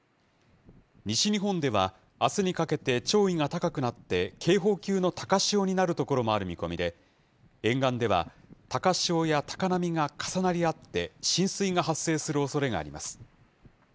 西日本ではあすにかけて、潮位が高くなって、警報級の高潮になる所もある見込みで、沿岸では高潮や高波が重なり合って、浸水が発生するおそれがあります。